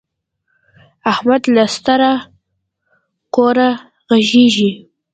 احمد له ستره کوره غږيږي.